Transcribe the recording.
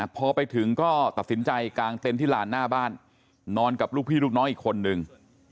พอไปถึงก็ตัดสินใจกางเต็นต์ที่ลานหน้าบ้านนอนกับลูกพี่ลูกน้องอีกคนนึง